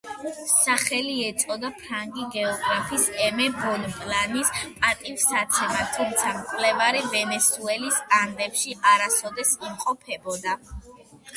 სახელი ეწოდა ფრანგი გეოგრაფის ემე ბონპლანის პატივსაცემად, თუმცა მკვლევარი ვენესუელის ანდებში არასოდეს იმყოფებოდა.